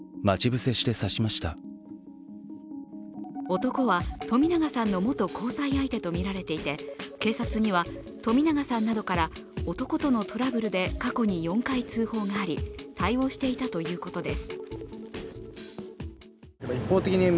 男は冨永さんの元交際相手とみられていて、警察には、冨永さんなどから男とのトラブルで過去に４回通報があり対応していたということです。